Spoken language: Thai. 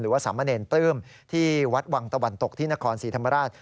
หรือว่าสามะเนรตื้มที่วัดวังตะวันตกที่นครสีธรรมราช